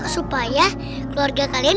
supaya keluarga kalian